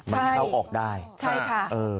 ใช่เอาออกได้ใช่ค่ะ